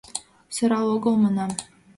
— Сӧрал огыл, манам.